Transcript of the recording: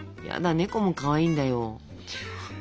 ヤダ猫もかわいいんだよ。